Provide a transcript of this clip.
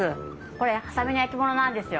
これ波佐見の焼き物なんですよ。